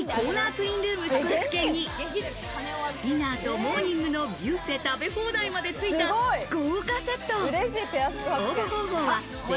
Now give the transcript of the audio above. ツインルーム宿泊券に、ディナーとモーニングのビュッフェ食べ放題までついた豪華セット。